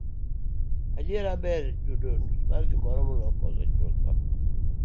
adiera, ber yudo nus mar gimoro moloyo koso chuth